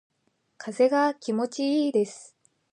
風が気持ちいいです。